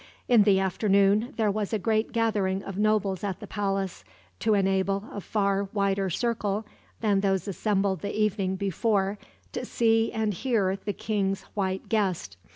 In the afternoon there was a great gathering of nobles at the palace, to enable a far wider circle than those assembled the evening before to see and hear the king's white guest.